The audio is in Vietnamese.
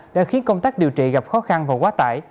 đã khiến công tác điều trị gặp khó khăn và quá tải